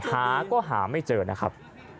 หาก็หาไม่เจอนะครับ